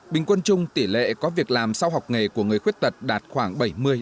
bình quân chung tỷ lệ có việc làm sau học nghề của người khuyết tật đạt khoảng bảy mươi ba mươi